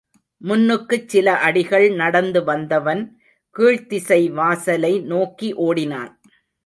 முன்னுக்குச் சில அடிகள் நடந்து வந்தவன், கீழ்த்திசை வாசலை நோக்கி ஓடினான்.